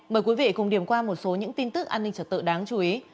mời quý vị cùng điểm qua một số những tin tức an ninh trật tự đáng chú ý